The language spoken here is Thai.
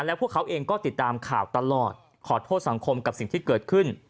แล้วพวกเขาเองก็ติดตามข่าวตลอดขอโทษสังคมกับสิ่งที่เกิดขึ้น